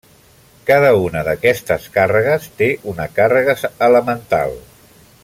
Cada una d'aquestes càrregues té una càrrega elemental.